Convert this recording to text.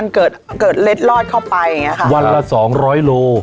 เกิดเกิดเล็ดลอดเข้าไปอย่างเงี้ค่ะวันละสองร้อยโล